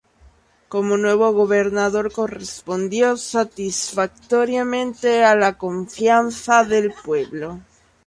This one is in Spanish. Como nuevo gobernador correspondió satisfactoriamente a la confianza del pueblo.